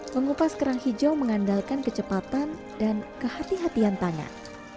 mengupas kerang hijau mengandalkan kecepatan dan kehatian kehatian tangan